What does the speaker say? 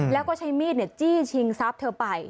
แล้วก็ใช้มีดจี้ชิงทรัพย์เธอไป